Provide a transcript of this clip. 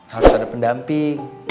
harus ada pendamping